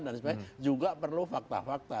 sebagainya juga perlu fakta fakta